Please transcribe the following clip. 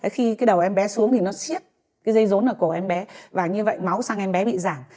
khi cái đầu em bé xuống thì nó xiết cái dây rốn ở cổ em bé và như vậy máu sang em bé bị giảm